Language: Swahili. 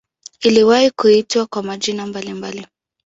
Iliwahi kuitwa kwa majina mbalimbali.